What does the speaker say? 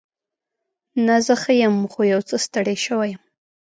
نه، زه ښه یم. خو یو څه ستړې شوې یم.